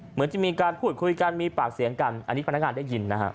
เหมือนจะมีการพูดคุยกันมีปากเสียงกันอันนี้พนักงานได้ยินนะฮะ